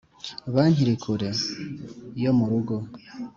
banki iri kure?yo murugo